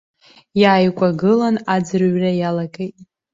Иааикәагылан аӡырҩра иалагеит.